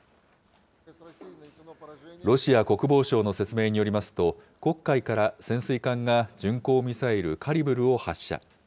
ロシア国防省の説明によりますと、黒海から潜水艦が巡航ミサイル、カリブルを発射。